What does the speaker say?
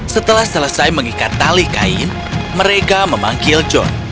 setelah selesai mengikat tali kain mereka memanggil john